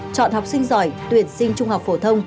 chọn học sinh giỏi tuyển sinh trung học phổ thông